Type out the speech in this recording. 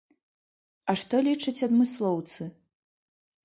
А што лічаць адмыслоўцы?